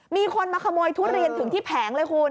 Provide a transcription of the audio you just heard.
มีคนมาขโมยทุเรียนถึงที่แผงเลยคุณ